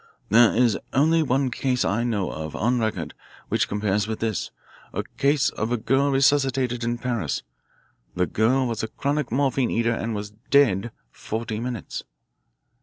There is only one case I know of on record which compares with this a case of a girl resuscitated in Paris. The girl was a chronic morphine eater and was 'dead' forty minutes."